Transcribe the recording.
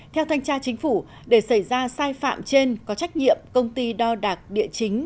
theo thanh tra chính phủ để xảy ra sai phạm trên có trách nhiệm công ty đo đạc địa chính